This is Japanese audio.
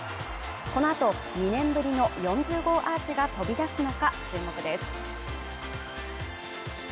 このあと２年ぶりの４０号アーチが飛び出すのか注目です